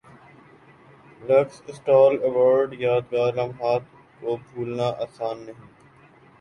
looks style award یادگار لمحات کو بھولنا اسان نہیں